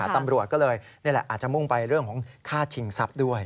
ตำรวจก็เลยนี่แหละอาจจะมุ่งไปเรื่องของฆ่าชิงทรัพย์ด้วย